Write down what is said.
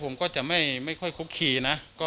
ผมก็จะไม่ค่อยคุกคีนะ